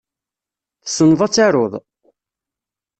Tessneḍ ad taruḍ?